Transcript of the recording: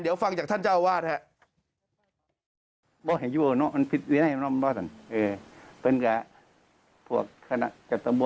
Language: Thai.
เดี๋ยวฟังจากท่านเจ้าวาดครับ